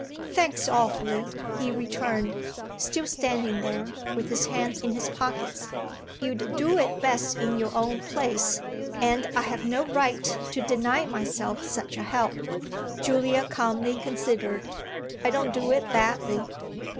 "Thanks awfully," he returned, still standing there with his hands in his pockets. "You'd do it best in your own place, and I've no right to deny myself such a help." Julia calmly considered. "I don't do it badly."